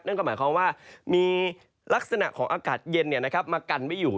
นั่นก็หมายความว่ามีลักษณะของอากาศเย็นมากันไว้อยู่